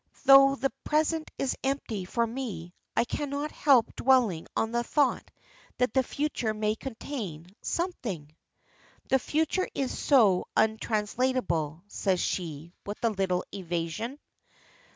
Though the present is empty for me, I cannot help dwelling on the thought that the future may contain something!" "The future is so untranslatable," says she, with a little evasion.